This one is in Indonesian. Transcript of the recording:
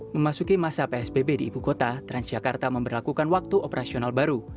memasuki masa psbb di ibu kota transjakarta memperlakukan waktu operasional baru